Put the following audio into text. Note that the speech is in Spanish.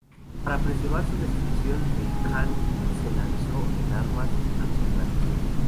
Para preservar su destrucción el khan se lanzó en armas a los afganos.